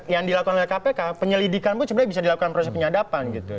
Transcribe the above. yang dilakukan oleh kpk penyelidikan pun sebenarnya bisa dilakukan proses penyadapan gitu